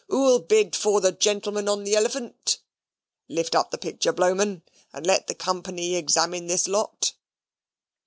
Who'll bid for the gentleman on the elephant? Lift up the picture, Blowman, and let the company examine this lot."